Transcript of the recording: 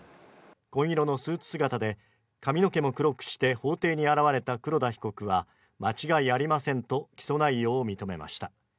紺色のスーツ姿で髪の毛も黒くして法廷に現れた黒田被告は、間違いありませんと起訴内容を認めました。